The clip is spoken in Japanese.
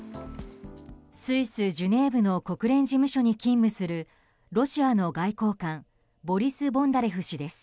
スイス・ジュネーブの国連事務所に勤務するロシアの外交官ボリス・ボンダレフ氏です。